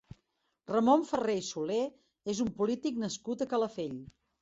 Ramon Ferré i Solé és un polític nascut a Calafell.